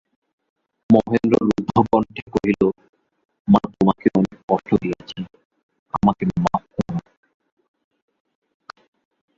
মহেন্দ্র রুদ্ধকন্ঠে কহিল, মা, তোমাকে অনেক কষ্ট দিয়াছি, আমাকে মাপ করো।